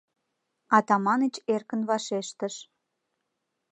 — Атаманыч эркын вашештыш.